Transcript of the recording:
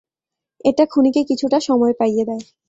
এটা খুনিকে কিছুটা সময় পাইয়ে দেয়।